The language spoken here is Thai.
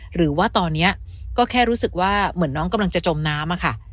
หรือว่าตอนนี้ก็แค่รู้สึกว่าเหมือนน้องกำลังจะจมน้ำอะค่ะ